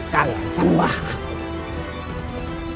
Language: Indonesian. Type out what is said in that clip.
kalian sembah aku